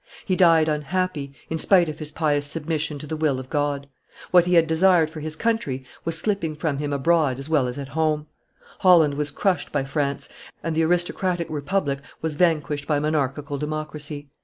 He died unhappy, in spite of his pious submission to the will of God; what he had desired for his country was slipping from him abroad as well as at home; Holland was crushed by France, and the aristocratic republic was vanquished by monarchical democracy.